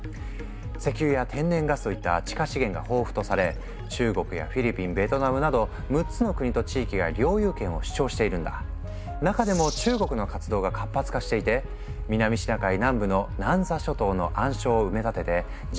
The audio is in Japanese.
石油や天然ガスといった地下資源が豊富とされ中国やフィリピンベトナムなど６つの国と地域が領有権を主張しているんだ中でも中国の活動が活発化していて南シナ海南部の南沙諸島の暗礁を埋め立てて人工島を建設。